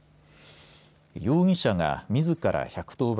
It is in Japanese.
容疑者がみずから１１０番